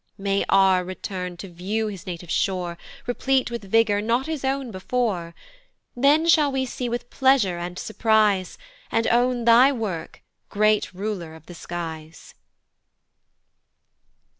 May R return to view his native shore Replete with vigour not his own before, Then shall we see with pleasure and surprise, And own thy work, great Ruler of the skies!